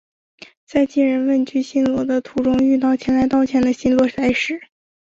在金仁问去新罗的途中遇到前来道歉的新罗来使。